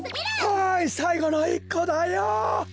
はいさいごの１こだよ。